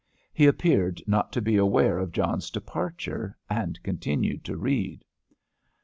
He appeared not to be aware of John's departure, and continued to read.